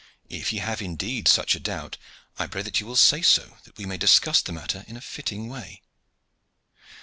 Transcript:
If ye have indeed such a doubt I pray that you will say so, that we may discuss the matter in a fitting way."